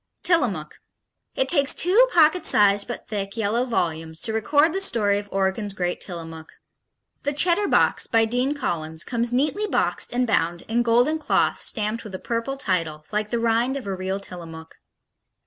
Tillamook It takes two pocket sized, but thick, yellow volumes to record the story of Oregon's great Tillamook. The Cheddar Box, by Dean Collins, comes neatly boxed and bound in golden cloth stamped with a purple title, like the rind of a real Tillamook.